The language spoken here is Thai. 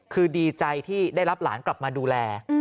คือดีใจที่ได้รับหลานกลับมาดูแล